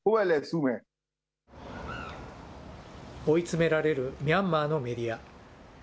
追い詰められるミャンマーのメディア。